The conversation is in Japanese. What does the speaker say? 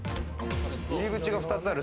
入り口が２つある。